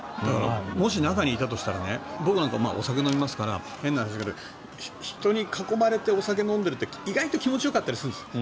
もし中にいたとしたら僕はお酒を飲みますから変な話だけど、人に囲まれてお酒を飲んでいるって意外と気持ちよかったりするんです。